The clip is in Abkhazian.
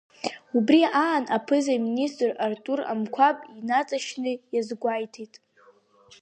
Убри аан, аԥыза-министр Артур Амқәаб инаҵшьны иазгәеиҭеит…